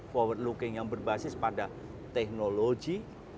forward looking yang berbasis pada teknologi